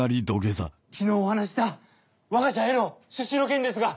昨日お話ししたわが社への出資の件ですが。